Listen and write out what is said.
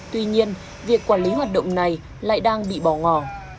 tuy nhiên việc quản lý hoạt động này lại đang bị bỏ ngỏ